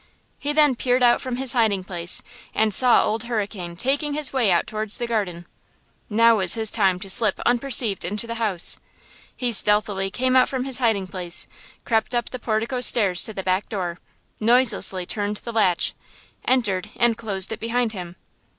He then peered out from his hiding place and saw old Hurricane taking his way out towards the garden. Now was his time to slip unperceived into the house. He stealthily came out from his hiding place, crept up the portico stairs to the back door, noiselessly turned the latch, entered and closed it behind him.